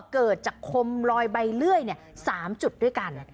เกิดจากคมลอยใบเลื่อย๓จุดด้วยกัน